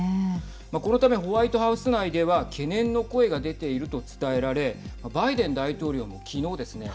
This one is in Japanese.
このため、ホワイトハウス内では懸念の声が出ていると伝えられバイデン大統領も、きのうですね